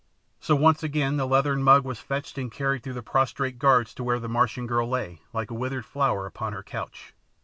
So once again the leathern mug was fetched and carried through the prostrate guards to where the Martian girl lay, like a withered flower, upon her couch.